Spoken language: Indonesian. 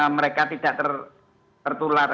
mereka tidak tertular